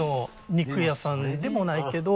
肉屋さんでもないけど。